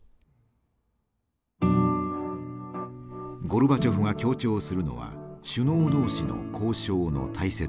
ゴルバチョフが強調するのは首脳同士の交渉の大切さ。